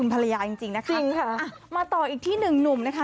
ภรรยาจริงจริงนะคะจริงค่ะมาต่ออีกที่หนึ่งหนุ่มนะคะ